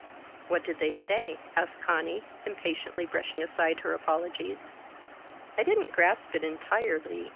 "What did they say?" asked Conny, impatiently brushing aside her apologies. "I didn't grasp it entirely.